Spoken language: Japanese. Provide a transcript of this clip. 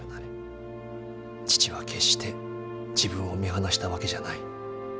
父は決して自分を見放したわけじゃない。